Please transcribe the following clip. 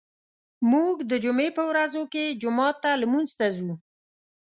موږ د جمعې په ورځو کې جومات ته لمونځ ته ځو.